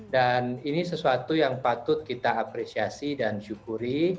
dan ini sesuatu yang patut kita apresiasi dan syukuri